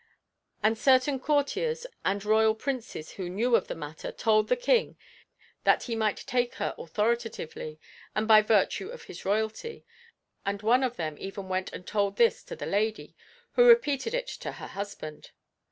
And certain courtiers and royal princes who knew of the matter told the King that he might take her authoritatively and by virtue of his royalty, and one of them even went and told this to the lady, who repeated it to her husband.